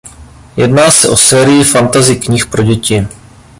Jedná se o sérii fantasy knih pro děti.